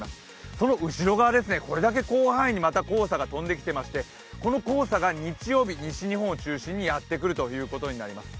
その後ろ側ですね、これだけ広範囲にまた黄砂が飛んできていましてこの黄砂が日曜日、西日本を中心にやってくるということになります。